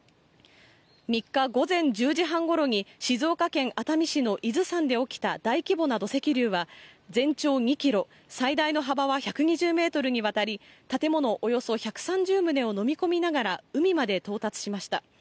３日午前１０時半ごろに、静岡県熱海市の伊豆山で起きた大規模な土石流は、全長２キロ、最大の幅は１２０メートルにわたり、建物およそ１３０棟を飲み込みながら海まで到達しました。